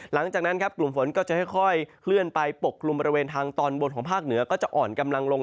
หลังจากนั้นครับกลุ่มฝนก็จะค่อยเคลื่อนไปปกกลุ่มบริเวณทางตอนบนของภาคเหนือก็จะอ่อนกำลังลง